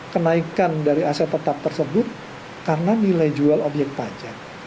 kenaikan dari aset tetap tersebut karena nilai jual obyek pajak